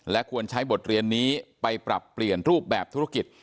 ควรใช้บทเรียนนี้ไปปรับเปลี่ยนรูปแบบธุรกิจ